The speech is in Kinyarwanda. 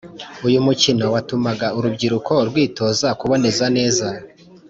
uyu mukino watumaga urubyiruko rwitoza kuboneza neza